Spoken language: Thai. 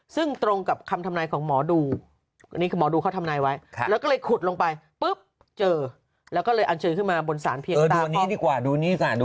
ซึ่งตรงกับคำทำรัยของหมอดู